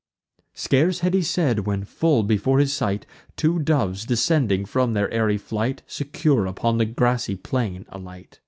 Scarce had he said, when, full before his sight, Two doves, descending from their airy flight, Secure upon the grassy plain alight.